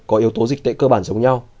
có yếu tố dịch tệ cơ bản giống nhau